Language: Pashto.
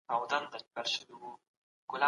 د جرګې موخه څه وه؟